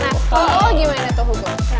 nah kalau gimana tuh hugo